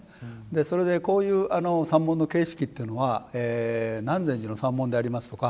それでこういう三門の形式というのは南禅寺の三門でありますとか